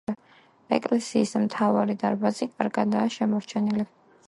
ეკლესიის მთავარი დარბაზი კარგადაა შემორჩენილი.